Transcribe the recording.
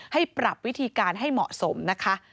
ให้ปรับวิธีการให้เหมาะสมนะคะ